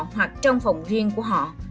hoặc trong phòng riêng của họ